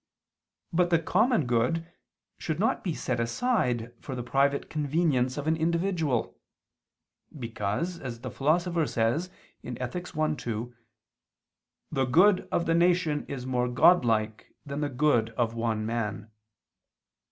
But the common good should not be set aside for the private convenience of an individual: because, as the Philosopher says (Ethic. i, 2), "the good of the nation is more godlike than the good of one man."